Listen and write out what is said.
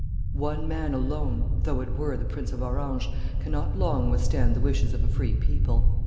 One man alone, though it were the Prince of Orange, cannot long withstand the wishes of a free people.